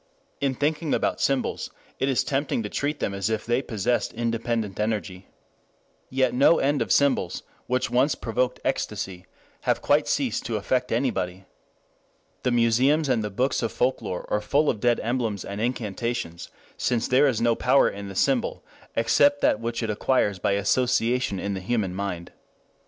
In thinking about symbols it is tempting to treat them as if they possessed independent energy. Yet no end of symbols which once provoked ecstasy have quite ceased to affect anybody. The museums and the books of folklore are full of dead emblems and incantations, since there is no power in the symbol, except that which it acquires by association in the human mind.